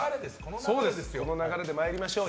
この流れで参りましょう。